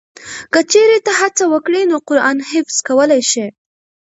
که چېرې ته هڅه وکړې نو قرآن حفظ کولی شې.